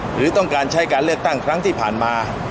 หรือต้องการใช้การเลือกตั้งครั้งที่ผ่านมา